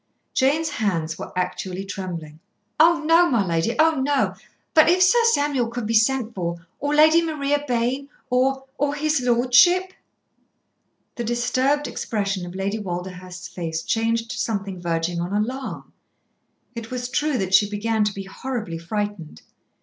Jane's hands were actually trembling. "Oh no, my lady. Oh no! But if Sir Samuel could be sent for, or Lady Maria Bayne, or or his lordship " The disturbed expression of Lady Walderhurst's face changed to something verging on alarm. It was true that she began to be horribly frightened.